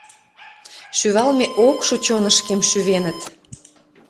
шӱвалме ок шу чонышкем шӱвеныт